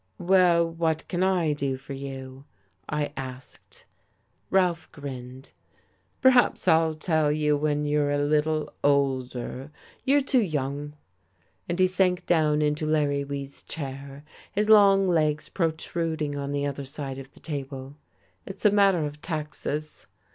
"Well, what can we do for you?" I asked. Ralph grinned. "Perhaps I'll tell you when you're a little older. You're too young." And he sank down into Larry Weed's chair, his long legs protruding on the other side of the table. "It's a matter of taxes.